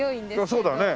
そうだね。